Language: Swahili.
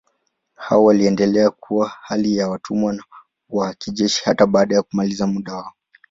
Hao waliendelea kuwa hali ya watumwa wa kijeshi hata baada ya kumaliza muda wao.